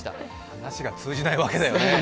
話が通じないわけだよね。